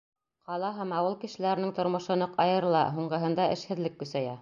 Ҡала һәм ауыл кешеләренең тормошо ныҡ айырыла, һуңғыһында эшһеҙлек көсәйә.